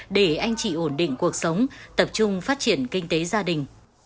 để anh chị ổn định cuộc sống tập trung phát triển kinh tế gia đình